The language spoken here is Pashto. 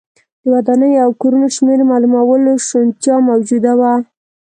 د ودانیو او کورونو شمېر معلومولو شونتیا موجوده وه